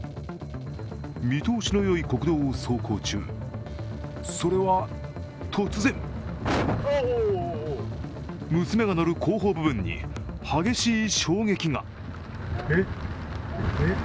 見通しのよい国道を走行中、それは突然娘が乗る後方部分に、激しい衝撃が。